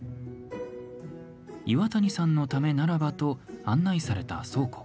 岩谷さんのためならばと案内された倉庫。